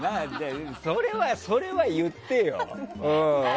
それは言ってよ。